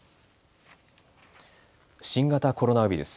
新型コロナウイルス。